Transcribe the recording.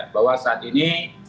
bahwa saat ini